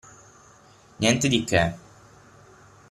Niente di che.